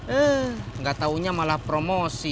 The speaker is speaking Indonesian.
enggak tahunya malah promosi